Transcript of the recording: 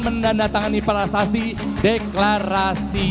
mendandatangani prasasti deklarasi damai